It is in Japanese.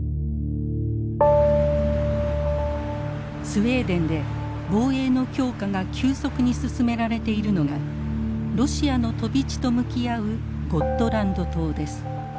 スウェーデンで防衛の強化が急速に進められているのがロシアの飛び地と向き合うゴットランド島です。